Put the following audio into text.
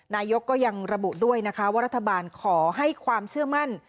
นายกก็ยังระบุด้วยนะคะว่ารัฐบาลขอให้ความเชื่อมั่น